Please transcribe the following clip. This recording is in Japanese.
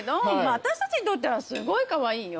私たちにとってはすごいカワイイよ。